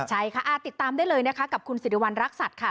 ใช่ค่ะติดตามได้เลยนะคะกับคุณสิริวัณรักษัตริย์ค่ะ